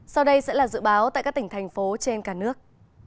sau đây sẽ là dự báo tại các tỉnh thành phố trên cả nước